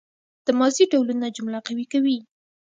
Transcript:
د ماضي ډولونه جمله قوي کوي.